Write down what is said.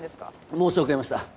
申し遅れました